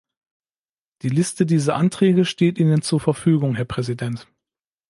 Die Liste dieser Anträge steht Ihnen zur Verfügung, Herr Präsident.